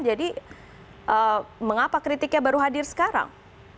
jadi mengapa kritiknya baru hadir sekarang